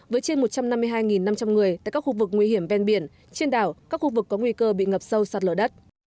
với trên một trăm năm mươi hai năm trăm linh người tại các khu vực nguy hiểm ven biển trên đảo các khu vực có nguy cơ bị ngập sâu sạt lở đất